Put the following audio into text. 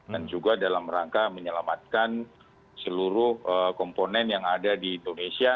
dan juga dalam rangka menyelamatkan seluruh komponen yang ada di indonesia